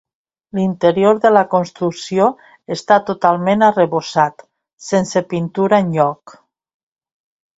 L'interior de la construcció està totalment arrebossat, sense pintura enlloc.